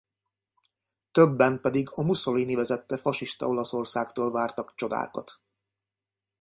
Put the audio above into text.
Többen pedig a Mussolini vezette fasiszta Olaszországtól vártak csodákat.